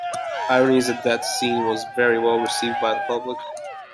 "Irony Is a Dead Scene" was very well received by the public.